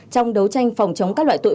công tác phòng chống ma túy